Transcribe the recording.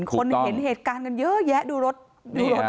คนเห็นเหตุการณ์กันเยอะแยะดูรถดูรถ